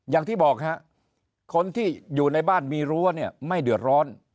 อย่างที่บอกฮะคนที่อยู่ในบ้านมีรั้วเนี่ยไม่เดือดร้อน